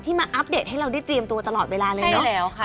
ที่มาอัปเดตให้เราได้เตรียมตัวตลอดเวลาเลยเนอะใช่แล้วค่ะ